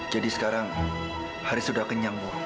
jadi sekarang haris sudah kenyang bu